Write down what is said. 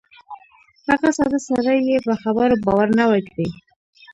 هغه ساده سړي یې په خبرو باور نه وای کړی.